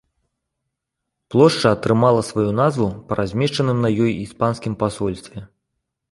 Плошча атрымала сваю назву па размешчаным на ёй іспанскім пасольстве.